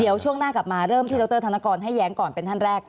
เดี๋ยวช่วงหน้ากลับมาเริ่มที่ดรธนกรให้แย้งก่อนเป็นท่านแรก